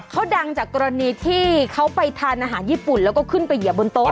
เขาดังจากกรณีที่เขาไปทานอาหารญี่ปุ่นแล้วก็ขึ้นไปเหยียบบนโต๊ะ